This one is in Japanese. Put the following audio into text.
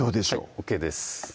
ＯＫです